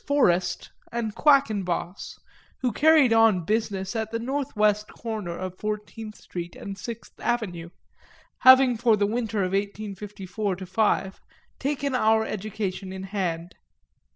Forest and Quackenboss, who carried on business at the northwest corner of Fourteenth Street and Sixth Avenue, having for the winter of 1854 5 taken our education in hand.